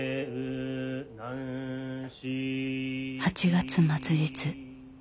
８月末日。